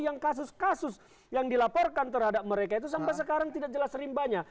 yang kasus kasus yang dilaporkan terhadap mereka itu sampai sekarang tidak jelas rimbanya